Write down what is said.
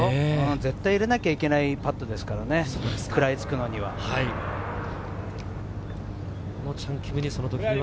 絶対、入れなければいけないパットですからね、食らいつくためには。